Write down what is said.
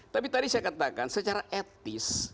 tapi tadi saya katakan secara etis